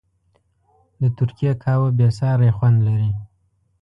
د ترکي قهوه بېساری خوند لري.